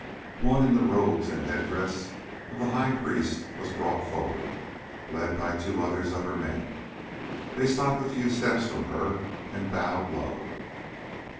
One in the robes and head dress of the high priest was brought forward, led by two others of her men. They stopped a few steps from her and bowed low.